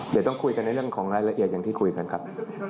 เดี๋ยวต้องคุยกันในเรื่องของรายละเอียดอย่างที่คุยกันครับ